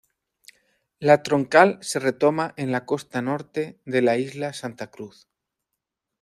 La troncal se retoma en la costa norte de la isla Santa Cruz.